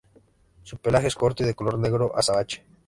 Su pelaje es corto y de color negro azabache.